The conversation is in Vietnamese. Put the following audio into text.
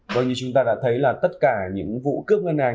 vâng như chúng ta đã thấy là tất cả những vụ cướp ngân hàng